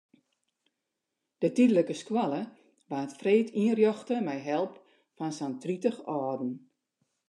De tydlike skoalle waard freed ynrjochte mei help fan sa'n tritich âlden.